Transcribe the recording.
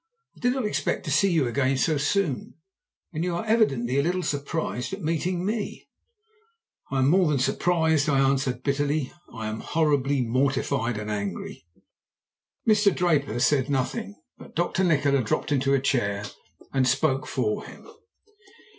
'I did not expect to see you again so soon. And you are evidently a little surprised at meeting me.' "'I am more than surprised,' I answered bitterly. 'I am horribly mortified and angry.' "Mr. Draper said nothing, but Dr. Nikola dropped into a chair and spoke for him.